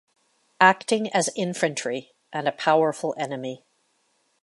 Acting as infantry and a powerful enemy.